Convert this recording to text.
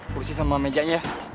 pursi sama mejanya